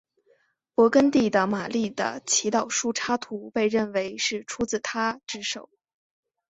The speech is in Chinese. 勃艮第的马丽的祈祷书插图被认为是出自他之手。